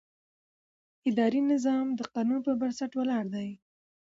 اداري نظام د قانون پر بنسټ ولاړ دی.